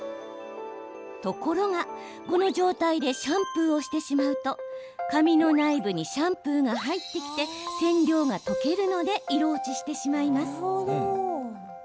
ところが、この状態でシャンプーをしてしまうと髪の内部にシャンプーが入ってきて染料が溶けるので色落ちしてしまいます。